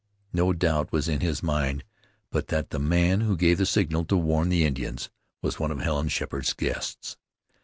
No doubt was in his mind but that the man who gave the signal to warn the Indians, was one of Helen Sheppard's guests.